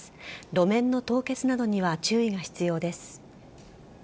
路面の凍結などには注意が必要です。